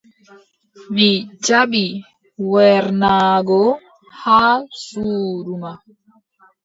Mi jaɓi wernaago haa suudu ma.